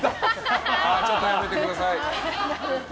ちょっとやめてください。